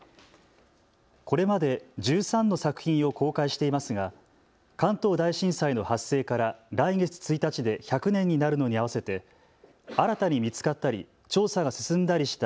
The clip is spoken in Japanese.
これまで１３の作品を公開していますが関東大震災の発生から来月１日で１００年になるのに合わせて新たに見つかったり調査が進んだりした